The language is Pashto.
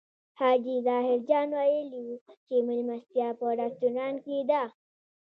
حاجي ظاهر جان ویلي و چې مېلمستیا په رستورانت کې ده.